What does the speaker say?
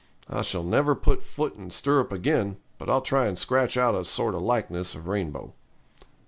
I shall never put foot in stirrup again, but I'll try and scratch out a sort of likeness of Rainbow.